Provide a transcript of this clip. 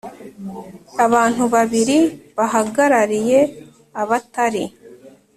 Abantu babiri bahagarariye abatari